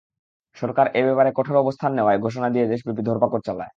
সরকার এ ব্যাপারে কঠোর অবস্থান নেওয়ার ঘোষণা দিয়ে দেশব্যাপী ধরপাকড় চালায়।